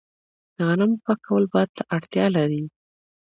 د غنمو پاکول باد ته اړتیا لري.